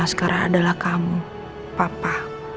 sekarang adalah kamu papa